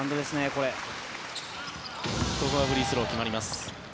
ここはフリースロー決まります。